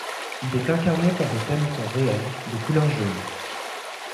Il est incarné par des canetons réels, de couleur jaune.